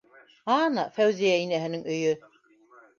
Ана, Фәүзиә инәһенең өйө.